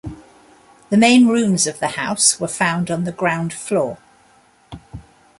The main rooms of the house were found on the ground floor.